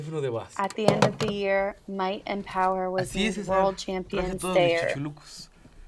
At the end of the year, Might and Power was named World Champion Stayer.